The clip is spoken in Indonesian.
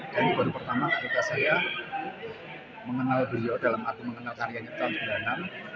dan pada waktu pertama saya mengenal beliau dalam arti mengenal karyanya tuhan